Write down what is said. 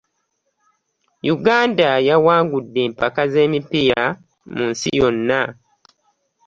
Uganda yawangudde empaka z'emipiira mu nsi yonna.